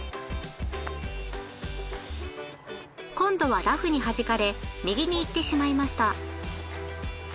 今度はラフにはじかれ右にいってしまいました。